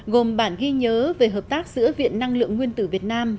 gồm bản ghi nhớ về hợp tác giữa viện năng lượng nguyên tử việt nam